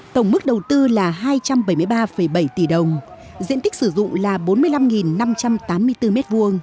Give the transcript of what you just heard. tổng mức đầu tư là hai trăm bảy mươi ba bảy tỷ đồng diện tích sử dụng là bốn mươi năm năm trăm tám mươi bốn m hai